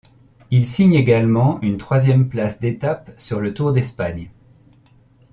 Il signe également une troisième place d'étape sur le Tour d'Espagne.